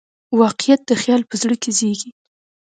واقعیت د خیال په زړه کې زېږي.